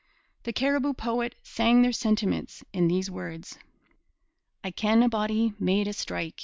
The Cariboo poet sang their sentiments in these words: I ken a body made a strike.